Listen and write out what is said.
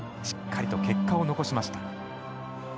しっかりと結果を残しました。